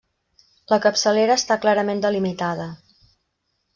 La capçalera està clarament delimitada.